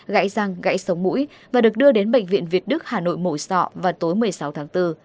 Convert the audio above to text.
gãy răng gãy sống mũi và được đưa đến bệnh viện việt đức hà nội mổ sọ vào tối một mươi sáu tháng bốn